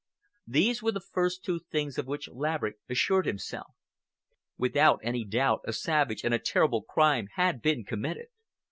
These were the first two things of which Laverick assured himself. Without any doubt, a savage and a terrible crime had been committed.